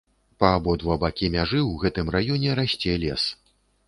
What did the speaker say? Па абодва бакі мяжы ў гэтым раёне расце лес.